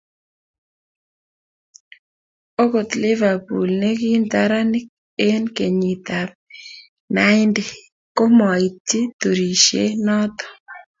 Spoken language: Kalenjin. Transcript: Okot liverpool ne ki ntaranik eng kenyit ab naindi ko maityi turishe noto.